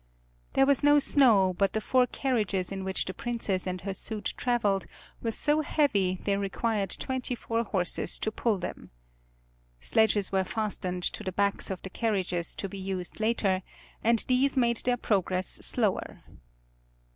There was no snow but the four carriages in which the Princess and her suite traveled were so heavy they required twenty four horses to pull them. Sledges were fastened to the backs of the carriages to be used later, and these made their progress slower.